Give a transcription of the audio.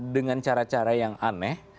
dengan cara cara yang aneh